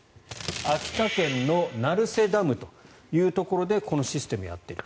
秋田県の成瀬ダムというところでこのシステムをやっている。